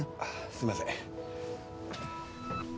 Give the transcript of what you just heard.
すみません。